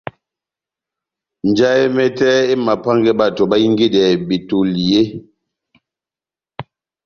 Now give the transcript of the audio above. Njahɛ mɛtɛ emapángɛ bato bahingedɛ betoli eeeh ?